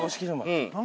うん。